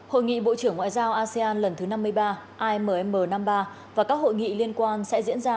hội nghị bộ trưởng ngoại giao asean lần thứ năm mươi ba amm năm mươi ba và các hội nghị liên quan sẽ diễn ra